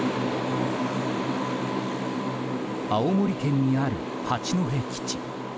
青森県にある八戸基地。